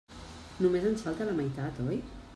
Només ens en falta la meitat, oi?